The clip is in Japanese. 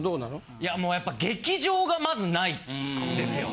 いやもうやっぱ劇場がまずないですよ。